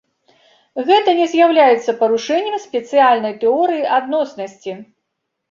Гэта не з'яўляецца парушэннем спецыяльнай тэорыі адноснасці.